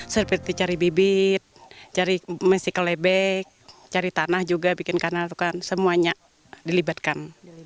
seperti cari bibit cari mesi kelebek cari tanah juga bikin kanal semuanya dilibatkan